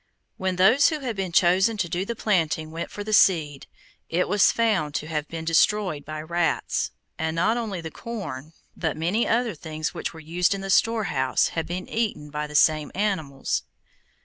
When those who had been chosen to do the planting went for the seed, it was found to have been destroyed by rats, and not only the corn, but many other things which were in the storehouse, had been eaten by the same animals.